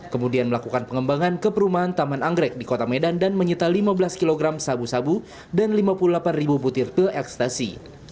kemudian melakukan pengembangan ke perumahan taman anggrek di kota medan dan menyita lima belas kg sabu sabu dan lima puluh delapan ribu butir pil ekstasi